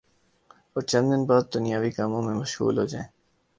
اور چند دن بعد دنیاوی کاموں میں مشغول ہو جائیں